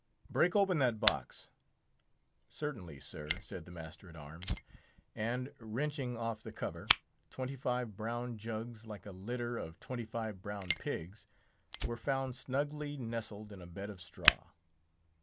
"Break open that box!" "Certainly, sir!" said the master at arms; and, wrenching off the cover, twenty five brown jugs like a litter of twenty five brown pigs, were found snugly nestled in a bed of straw.